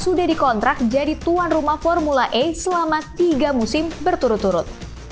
sudah dikontrak jadi tuan rumah formula e selama tiga musim berturut turut